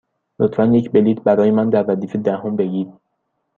لطفا یک بلیط برای من در ردیف دهم بگیر.